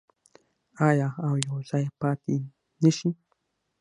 آیا او یوځای پاتې نشي؟